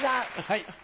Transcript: はい。